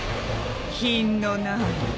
品のない。